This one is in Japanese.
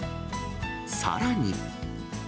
さらに。